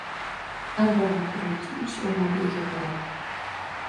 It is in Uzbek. Har bir bitiruvchi ish o‘rniga ega bo‘ladi